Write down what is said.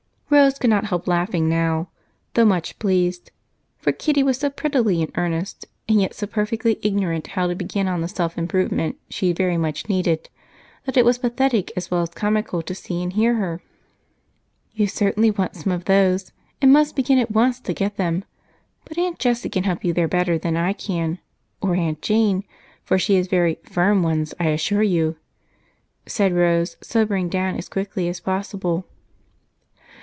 Rose could not help laughing now, though much pleased, for Kitty was so prettily in earnest, and yet so perfectly ignorant how to begin on the self improvement she very much needed, that it was pathetic as well as comical to see and hear her. "You certainly want some of those, and must begin at once to get them, but Aunt Jessie can help you there better than I can, or Aunt Jane, for she has very 'firm' ones, I assure you," said Rose, sobering down as quickly as possible.